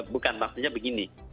bukan maksudnya begini